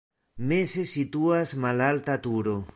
Meze situas malalta turo.